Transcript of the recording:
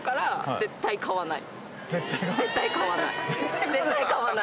絶対買わない。